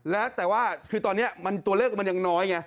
แล้วแต่ว่าคือตอนนี้ตัวเลขมันยังน้อยไง